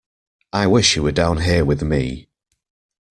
I wish you were down here with me!